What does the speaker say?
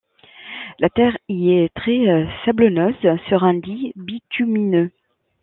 La terre y est très sablonneuse sur un lit bitumineux.